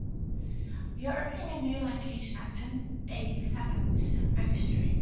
We are opening the a new location at ten eighty-seven Oak Street.